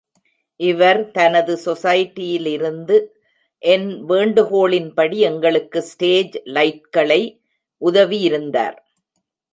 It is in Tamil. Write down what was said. இவர் தனது சொசைடியிலிருந்து என் வேண்டுகோளின்படி எங்களுக்கு ஸ்டேஜ் லைட்களை உதவியிருந்தார்.